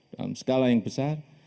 dalam skala yang besar